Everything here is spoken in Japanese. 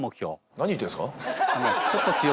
何言ってんですか？